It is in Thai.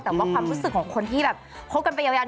แต่ว่าความรู้สึกของคนที่แบบคบกันไปยาว